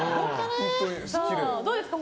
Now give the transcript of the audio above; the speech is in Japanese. どうですか？